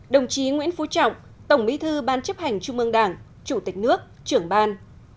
đồng chí nguyễn phú trọng tổng bí thư ban chấp hành trung ương đảng chủ tịch nước trưởng ban